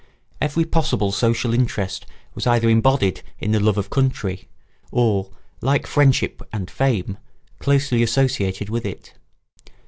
Every possible social interest was either embodied in the love of country or, like friendship and fame, closely associated with it.